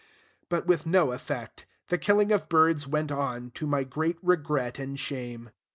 But with no effect. The killing of birds went on, to my great regret and shame.